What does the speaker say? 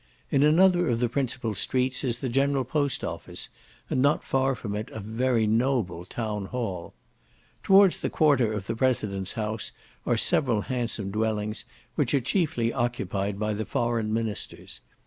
In another of the principal streets is the general post office, and not far from it a very noble town hall. Towards the quarter of the President's house are several handsome dwellings, which are chiefly occupied by the foreign ministers.